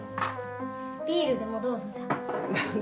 ビールでもどうぞである。